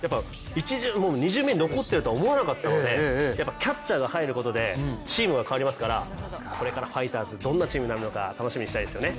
２巡目に残ってると思わなかったのでキャッチャーが入ることでチームは変わりますから、これからファイターズ、どんなチームになるのか、楽しみにしたいですよね。